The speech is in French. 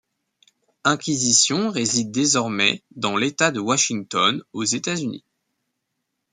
Inquisition réside désormais dans l'état de Washington, aux États-Unis.